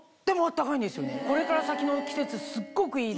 これから先の季節すっごくいい。